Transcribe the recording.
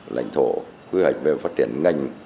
lãnh thổ quy hoạch về phát triển ngành